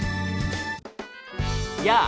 やあ！